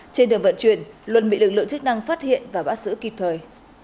trên đường vận chuyển luân bị lực lượng chức năng phát hiện và bắt giữ kịp thời